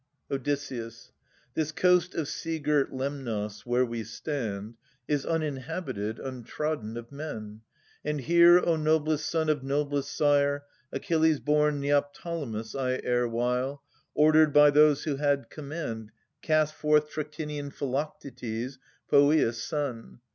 Odysseus. This coast of sea girt Lemnos, where we stand, Is uninhabited, untrodden of men. And here, O noblest son of noblest sire, Achilles born Neoptolemus, I erewhile, — Ordered by those who had command, — cast forth Trachinian Philoctetes, Poeas' son.